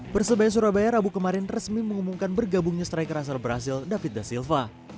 persebaya surabaya rabu kemarin resmi mengumumkan bergabungnya striker asal brazil david da silva